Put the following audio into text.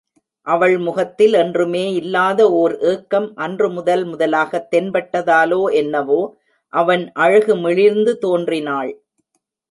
அவள் முகத்தில் என்றுமே இல்லாத ஓர் ஏக்கம் அன்று முதல்முதலாகத் தென்பட்டதாலோ என்னவோ, அவன் அழகு மிளிர்ந்து தோன்றினாள்.